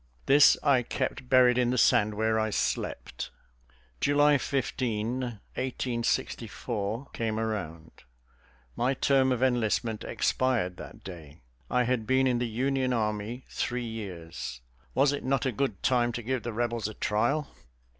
This I kept buried in the sand where I slept. July 15, 1864, came around. My term of enlistment expired that day. I had been in the Union army three years; was it not a good time to give the Rebels a trial?